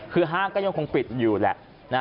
คือห้างก็ยังคงปิดอยู่แหละ